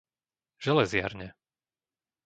Železiarne